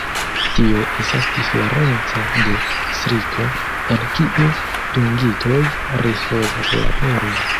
Tio estas diferenca de striko, en kiu dungitoj rifuzas labori.